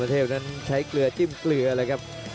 วันนี้ลามเทพนั้นใช้เกลือจิ้มเกลือเลยครับ